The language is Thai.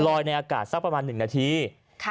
ลอยในอากาศประมาณ๑นาทีค่ะ